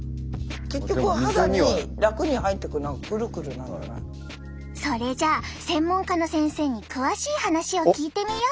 全然でもそれじゃあ専門家の先生に詳しい話を聞いてみよう！